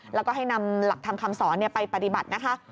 แล้วก็ให้นำหลักธรรมคำสอนไปปฏิบัตินะคะ